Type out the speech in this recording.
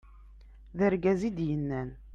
d argaz i d-yennan